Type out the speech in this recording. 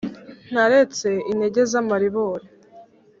ntaretse intege z'amaribori